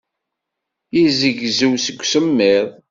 Yezzegzew seg usemmiḍ.